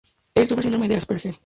Él sufre Síndrome de Asperger.